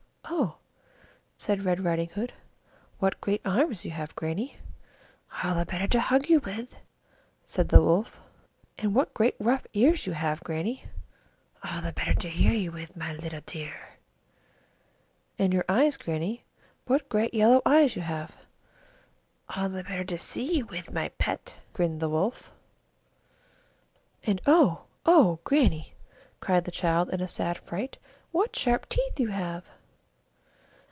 "Oh!" said Red Riding Hood, "what great arms you have, Grannie!" "All the better to hug you with," said the Wolf. "And what great rough ears you have, Grannie!" "All the better to hear you with, my little dear." "And your eyes, Grannie; what great yellow eyes you have!" "All the better to see you with, my pet," grinned the Wolf. "And oh! oh! Grannie," cried the child, in a sad fright, "what great sharp teeth you have!"